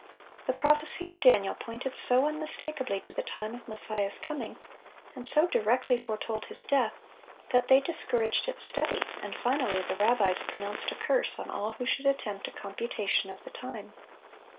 The prophecy of Daniel pointed so unmistakably to the time of Messiah's coming, and so directly foretold His death, that they discouraged its study, and finally the rabbis pronounced a curse on all who should attempt a computation of the time.